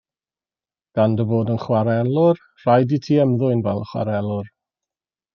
Gan dy fod yn chwarelwr rhaid i ti ymddwyn fel chwarelwr.